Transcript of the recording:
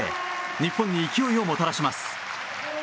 日本に勢いをもたらします。